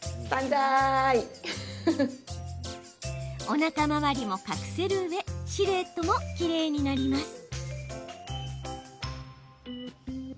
おなか回りも隠せるうえシルエットもきれいになります。